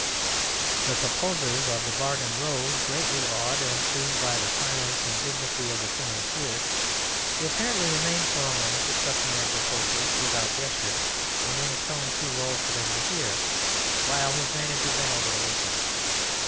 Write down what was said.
The proposers of the bargain rose, greatly awed and pleased by the silence and dignity of the financier who apparently remained for a moment discussing their proposals without gesture and in a tone too low for them to hear, while his manager bent over to listen.